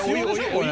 これ。